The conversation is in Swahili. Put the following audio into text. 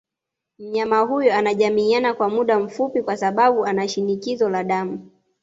Mnyama huyo anajamiana kwa muda mfupi kwa sababu anashinikizo la damu